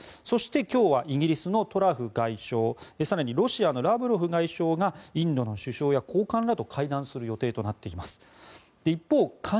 そして、今日はイギリスのトラス外相更に、ロシアのラブロフ外相がインドの首相や高官らと会談する予定となっています。